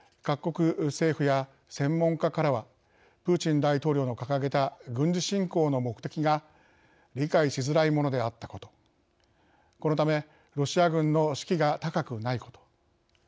各国政府や専門家からはプーチン大統領の掲げた軍事侵攻の目的が理解しづらいものであったことこのため、ロシア軍の士気が高くないこと。